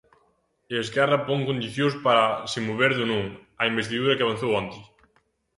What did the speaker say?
E Esquerra pon condicións para se mover do non á investidura que avanzou onte.